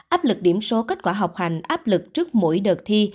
áp lực điểm số kết quả học hành áp lực trước mỗi đợt thi